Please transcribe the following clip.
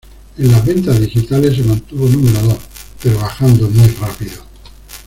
En las ventas digitales se mantuvo número dos, pero bajando muy rápido.